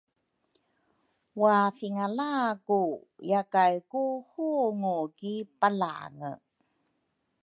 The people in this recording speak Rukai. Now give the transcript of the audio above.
wathingala ku yakay ku hungu ki Palange